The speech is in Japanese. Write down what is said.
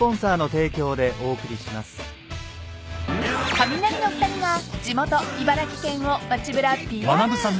［カミナリの２人が地元茨城県を街ぶらＰＲ］